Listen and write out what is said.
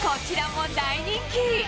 こちらも大人気。